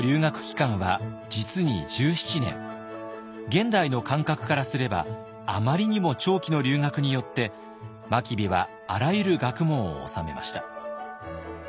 現代の感覚からすればあまりにも長期の留学によって真備はあらゆる学問を修めました。